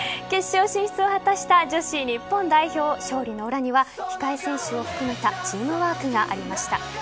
決勝進出を果たした女子日本代表勝利の裏には控え選手を含めたチームワークがありました。